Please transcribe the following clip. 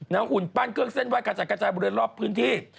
หุ่นปั้นเครื่องเส้นไห้กระจัดกระจายบริเวณรอบพื้นที่